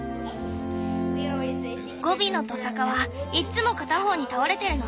ゴビのトサカはいっつも片方に倒れてるの。